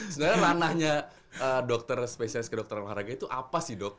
sebenarnya ranahnya dokter spesialis kedokteran olahraga itu apa sih dok